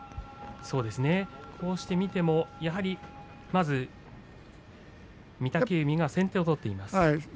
そうですね、こうして見てもまず御嶽海が先手を取っています。